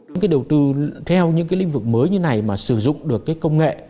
những cái đầu tư theo những cái lĩnh vực mới như này mà sử dụng được cái công nghệ